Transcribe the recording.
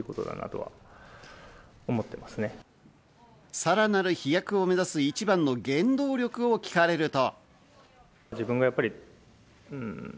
さらなる飛躍を目指す一番の原動力を聞かれると。